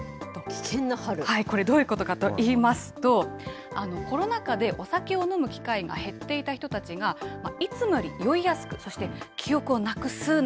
これ、どういうことかといいますと、コロナ禍でお酒を飲む機会が減っていた人たちが、いつもより酔いやすく、そして記憶をな